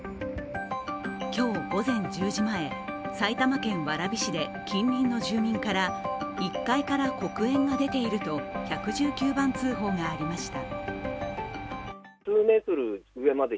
今日午前１０時前、埼玉県蕨市で近隣の住民から１階から黒煙が出ていると１１９番通報がありました。